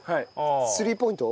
スリーポイント？